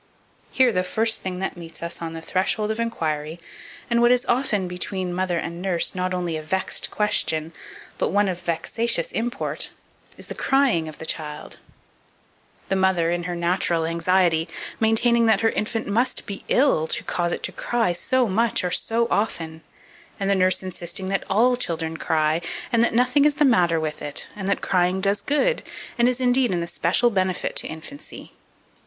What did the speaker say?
Here the first thing that meets us on the threshold of inquiry, and what is often between mother and nurse not only a vexed question, but one of vexatious import, is the crying of the child; the mother, in her natural anxiety, maintaining that her infant must be ill to cause it to cry so much or so often, and the nurse insisting that all children cry, and that nothing is the matter with it, and that crying does good, and is, indeed, an especial benefit to infancy.